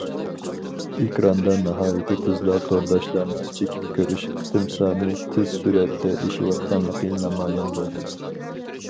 ئېكراندا ناھايىتى تېزلا تورداشلارنىڭ چېكىپ كۆرۈش قېتىم سانى تېز سۈرئەتتە ئېشىۋاتقانلىقى نامايان بولدى.